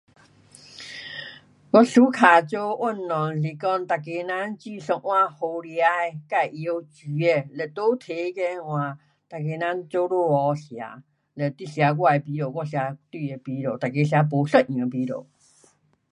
我 suka 做运动是讲每个人煮一碗好吃的自会晓煮的嘞都提去那位每个人聚聚合吃。嘞你吃我的味道，我吃你的味道，每个吃不一样的味道。